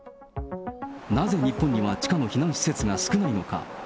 なぜ日本には地下の避難施設が少ないのか。